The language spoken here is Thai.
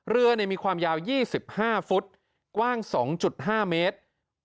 เรือมีความยาว๒๕ฟุตกว้าง๒๕เมตร